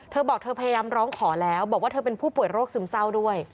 เธอบอกเธอพยายามร้องขอแล้วบอกว่าเธอเป็นผู้ป่วยโรคซึมเศร้าด้วย